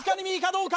どうか？